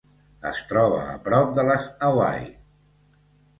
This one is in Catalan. Es troba a prop de les Hawaii.